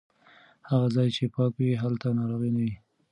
هغه ځای چې پاک وي هلته ناروغي نه وي.